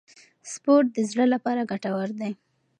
سپورت د زړه لپاره ګټور دی.